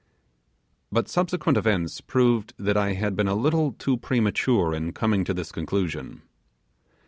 But subsequent events proved that I had been a little too premature in coming to this conclusion.